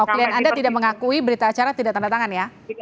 klien anda tidak mengakui berita acara tidak tanda tangan ya